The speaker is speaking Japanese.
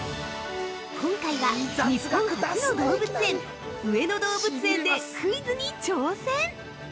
◆今回は、日本初の動物園上野動物園でクイズに挑戦。